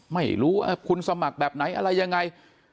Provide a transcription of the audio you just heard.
ไม่รู้ว่าคุณสมัครแบบไหนอะไรยังไง